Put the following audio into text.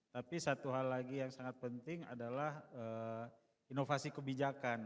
tapi satu hal lagi yang sangat penting adalah inovasi kebijakan